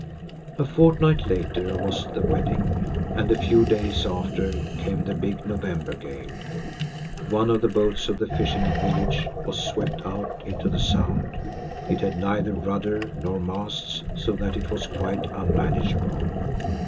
A fortnight later was the wedding, and a few days after came the big November gale. One of the boats of the fishing village was swept out into the sound. It had neither rudder nor masts, so that it was quite unmanageable.